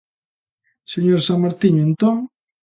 Señora Samartiño, ¿entón?